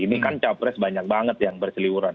ini kan capres banyak banget yang berseliwuran